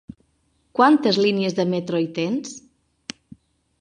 Quantes línies de metro hi tens?